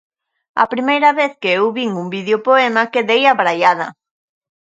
A primeira vez que eu vin un videopoema quedei abraiada.